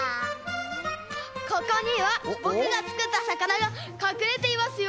ここにはぼくがつくったさかながかくれていますよ。